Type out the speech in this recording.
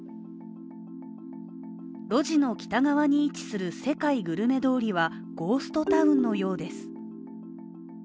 路地の北側に位置する世界グルメ通りはゴーストタウンのようです。